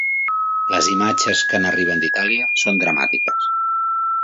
Les imatges que n’arriben d’Itàlia són dramàtiques.